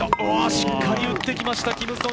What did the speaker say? しっかり打ってきました。